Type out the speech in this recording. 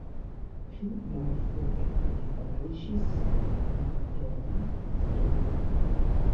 Pli malfrue li fariĝis amatora astronomo.